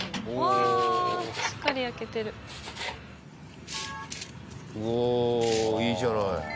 おおいいじゃない。